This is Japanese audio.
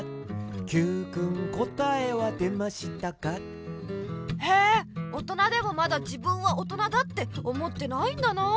「Ｑくんこたえはでましたか？」へえ大人でもまだ自分は大人だって思ってないんだなあ。